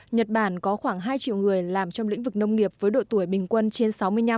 nhật bản có khoảng hai triệu người làm trong lĩnh vực nông nghiệp với độ tuổi bình quân trên sáu mươi năm